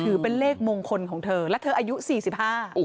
ถือเป็นเลขมงคลของเธอแล้วเธออายุสี่สิบห้า